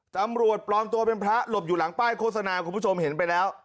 ตำรวจปลอมตัวเป็นพระหลบอยู่หลังป้ายโฆษณาคุณผู้ชมเห็นไปแล้ว